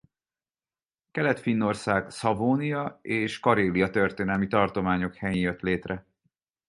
Kelet-Finnország Savonia és Karélia történelmi tartományok helyén jött létre.